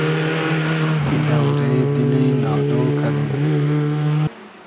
دۆرې دیلی نادۉ کئدوم